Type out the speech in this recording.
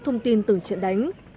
thông tin từng trận đánh